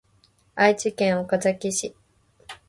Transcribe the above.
愛知県岡崎市